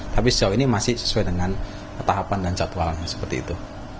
tapi sejauh ini masih sesuai dengan tahapan dan jadwalnya seperti itu